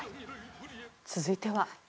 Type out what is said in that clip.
続いては。